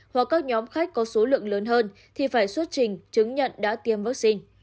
hoặc các nhóm khách có số lượng lớn hơn thì phải xuất trình chứng nhận đã tiêm vaccine